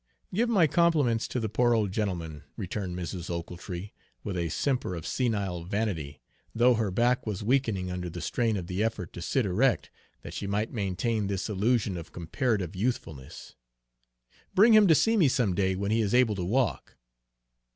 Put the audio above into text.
"Give my compliments to the poor old gentleman," returned Mrs. Ochiltree, with a simper of senile vanity, though her back was weakening under the strain of the effort to sit erect that she might maintain this illusion of comparative youthfulness. "Bring him to see me some day when he is able to walk."